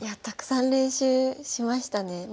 たくさん練習しましたね。